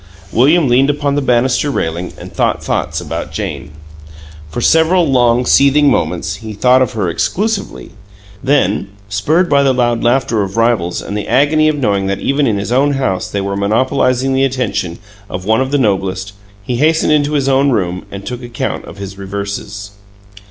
William leaned upon the banister railing and thought thoughts about Jane. For several long, seething moments he thought of her exclusively. Then, spurred by the loud laughter of rivals and the agony of knowing that even in his own house they were monopolizing the attention of one of the Noblest, he hastened into his own, room and took account of his reverses.